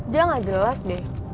dia gak jelas deh